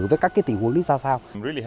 với các cái tình huống đấy ra sao